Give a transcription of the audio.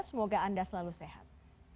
semoga anda selalu sehat